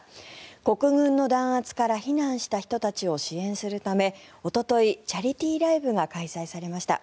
国軍の弾圧から避難した人たちを支援するためおととい、チャリティーライブが開催されました。